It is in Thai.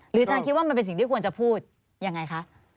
อาจารย์คิดว่ามันเป็นสิ่งที่ควรจะพูดยังไงคะ